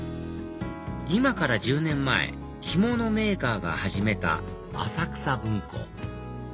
今から１０年前着物メーカーが始めた浅草文庫